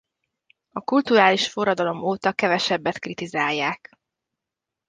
A kulturális forradalom óta kevesebbet kritizálják.